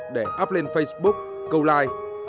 để up lên facebook câu like